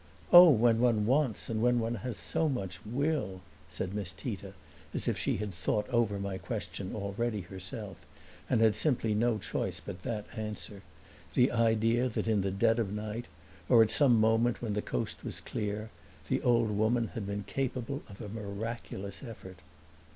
"Oh, when one wants and when one has so much will!" said Miss Tita, as if she had thought over my question already herself and had simply had no choice but that answer the idea that in the dead of night, or at some moment when the coast was clear, the old woman had been capable of a miraculous effort.